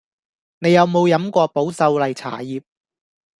你有無飲過保秀麗茶葉